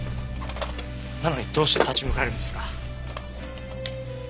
なのにどうして立ち向かえるんですか？